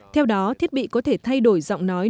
theo đó thiết bị có thể thay đổi giọng nói